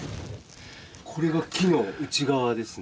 これが木の内側ですね？